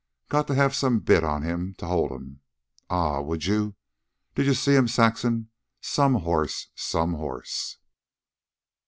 Got to have some bit on him to hold'm. Ah! Would you? Did you see'm, Saxon? Some horse! Some horse!"